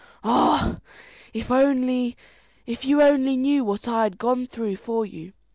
Ah, if you only knew what I have gone through for you!